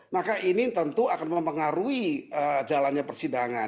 maka ini tentu akan mempengaruhi jalannya persidangan